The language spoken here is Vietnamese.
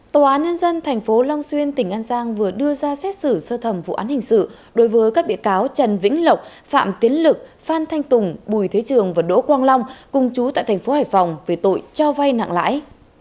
tòa án nhân dân tp long xuyên tỉnh an giang vừa đưa ra xét xử sơ thẩm vụ án hình sự đối với các bị cáo trần vĩnh lộc phạm tiến lực phan thanh tùng bùi thế trường và đỗ quang long cùng chú tại thành phố hải phòng về tội cho vay nặng lãi